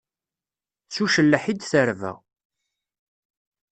S ucelleḥ i d-terba.